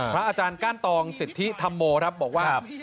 พระอาจารย์ก้านตองสิทธิธรรมโบบอกว่า